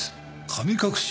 神隠し？